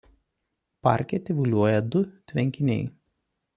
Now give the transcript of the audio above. Parke tyvuliuoja du tvenkiniai.